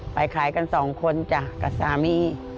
ไปขายกันสองคนจ้ะกับสามี